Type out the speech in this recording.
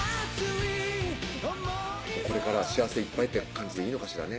これからは幸せいっぱいって感じでいいのかしらね